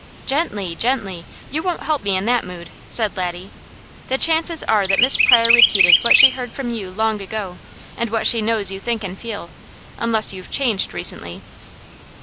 "Gently, gently! You won't help me any in that mood," said Laddie. "The chances are that Miss Pryor repeated what she heard from you long ago, and what she knows you think and feel, unless you've changed recently."